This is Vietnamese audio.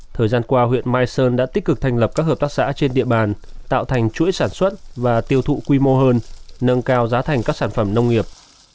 thời gian qua huyện mai sơn đã tích cực thành lập các hợp tác xã trên địa bàn tạo thành chuỗi sản xuất và tiêu thụ quy mô hơn nâng cao giá thành các sản phẩm nông nghiệp